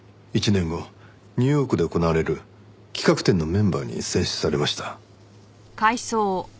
１年後ニューヨークで行われる企画展のメンバーに選出されました。